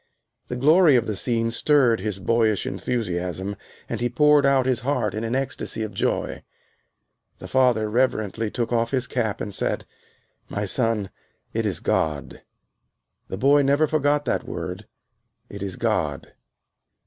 The glory of the scene stirred his boyish enthusiasm and he poured out his heart in an ecstasy of joy. The father reverently took off his cap and said, "My son, it is God." The boy never forgot that word, "It is God."